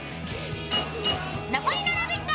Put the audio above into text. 残りのラヴィット！